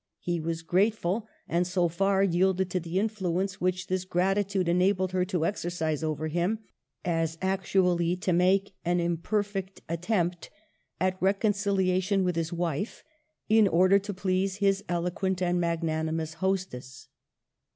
He was grateful ; and so far yielded to the influence which this gratitude en abled her to exercise over him as actually to make an imperfect attempt at reconciliation with his wife, in order to please his eloquent and mag nanimous hostess.